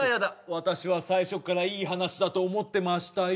私は最初からいい話だと思ってましたよ